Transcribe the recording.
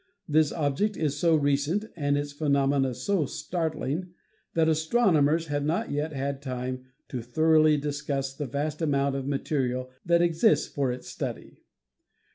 This object is so recent and its phenomena so startling that astronomers have not yet had time to thoroughly discuss the vast amount of material that exists for its study.